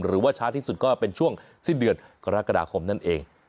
หรือว่าช้าที่สุดก็เป็นช่วงสิ้นเดือนกรกฎาคมนั่นเอง